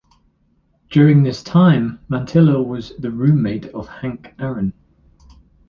During this time Mantilla was the roommate of Hank Aaron.